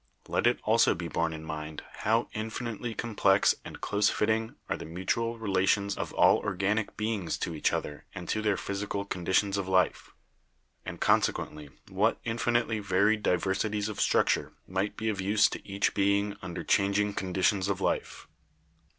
Let it also be borne in mind how infinitely complex and close fitting are the mutual relations of all organic beings to each other and to their physical conditions of life; and consequently what infinitely varied diversities of struc ture might be of use to each being under changing con ditions of life.